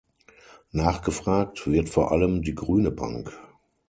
Nachgefragt wird vor allem die grüne Bank.